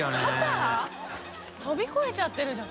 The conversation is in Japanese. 飛び越えちゃってるじゃん。